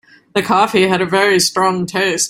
The coffee had a very strong taste.